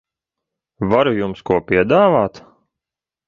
Varu jums ko piedāvāt?